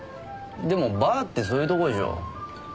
でもバーってそういうとこでしょ？